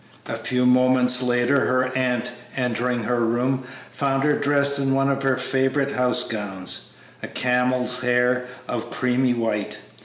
A few moments later her aunt, entering her room, found her dressed in one of her favorite house gowns, a camel's hair of creamy white.